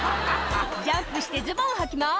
「ジャンプしてズボンはきます」